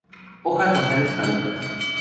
Hojas basales caducas.